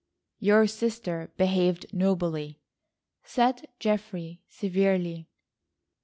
"Your sister behaved nobly," said Geoffrey severely.